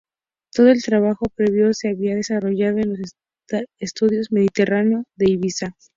Todo el trabajo previo se había desarrollado en los Estudios Mediterráneo de Ibiza.